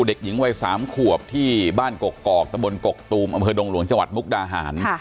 เด็กหญิงวัย๓ขวบที่บ้านกกอกตะบนกกตูมอำเภอดงหลวงจังหวัดมุกดาหาร